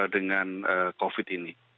dengan covid ini